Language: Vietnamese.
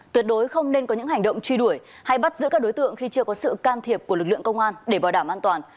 tuyệt đối không nên có những hành động truy đuổi hay bắt giữ các đối tượng khi chưa có sự can thiệp của lực lượng công an để bảo đảm an toàn